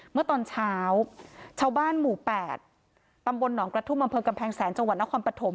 เมื่อตอนเช้าชาวบ้านหมู่๘ตำบลหนองกระทุ่มอำเภอกำแพงแสนจังหวัดนครปฐม